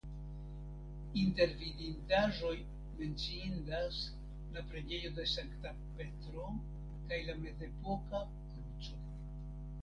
Inter vidindaĵoj menciindas la preĝejo de Sankta Petro kaj la mezepoka kruco.